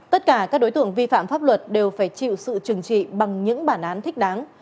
tất cả các đối tượng vi phạm pháp luật đều phải chịu sự trừng trị bằng những bản án thích đáng